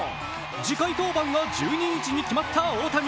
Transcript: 次回登板が１２日に決まった大谷。